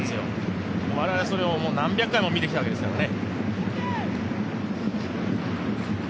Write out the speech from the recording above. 我々それを何百回も見てきたわけですからね。